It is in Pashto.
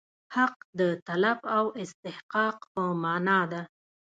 حق د طلب او استحقاق په معنا دی.